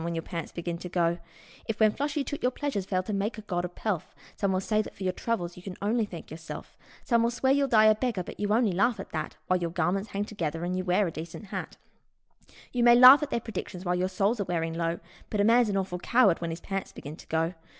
WHEN YOUR PANTS BEGIN TO GO 67 If, when flush, you took your pleasure failed to make a god of Pelf Some will say that for your troubles you can only thank yourself ; Some will swear you'll die a beggar, but you only laugh at that While your garments hang together and you wear a decent hat ; You may laugh at their predictions while your soles are wearing through But a man's an awful coward when his pants are going too